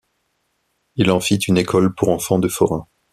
Il en fit une école pour enfants de forains.